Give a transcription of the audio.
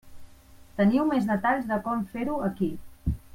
Teniu més detalls de com fer-ho aquí.